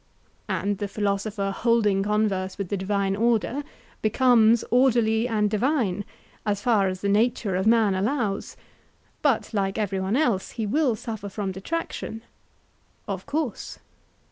And the philosopher holding converse with the divine order, becomes orderly and divine, as far as the nature of man allows; but like every one else, he will suffer from detraction. Of course.